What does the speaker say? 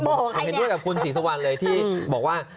คือผมเป็นด้วยกับคุณศรีสวรรค์เลยที่บอกว่า